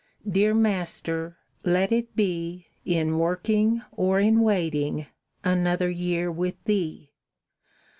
Dear Master, let it be In working or in waiting, Another year with Thee.